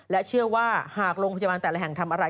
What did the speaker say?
และเชื่อว่าลงพยาบาลแต่ละแห่งทำอะไร